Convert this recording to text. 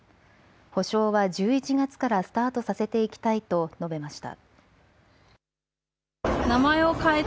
補償は１１月からスタートさせていきたいと述べました。